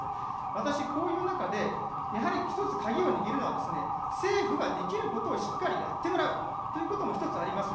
私、こういう中でやはり、一つ鍵を握るのはですね、政府ができることをしっかりやってもらうということも一つあります。